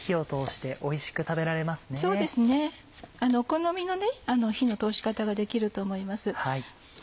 好みの火の通し方ができると思います。